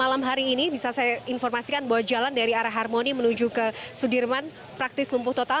malam hari ini bisa saya informasikan bahwa jalan dari arah harmoni menuju ke sudirman praktis lumpuh total